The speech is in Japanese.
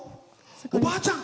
おばあちゃん